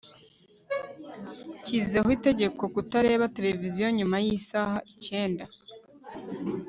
nshizeho itegeko kutareba televiziyo nyuma yisaha icyenda